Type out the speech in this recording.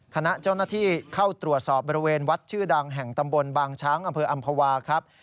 คณะเจ้าหน้าที่เข้าตรวจสอบบริเวณวัดชื่อดังแห่งตำบลบางช้างอำเภออำภาวาครับ